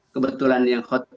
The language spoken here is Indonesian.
kebetulan yang hot